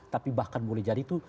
tapi bahkan boleh jadi itu